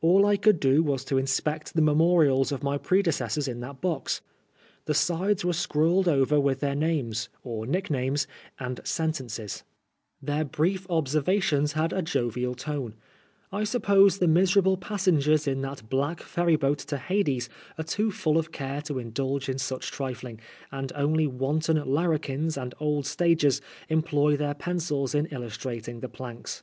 All I could do was to inspect the memorials of my prede cessors in that box. The sides were scrawled over with their names (or nicknames) and sentences. Their brief 112 PBISONEB FOB BLASPHEMY. observations had a jovial tone. I suppose the miserable passengers in that black ferry boat to Hades are too full of care to indulge in such trifling, and only wanton larrikins and old stagers employ their pencils in illus trating the planks.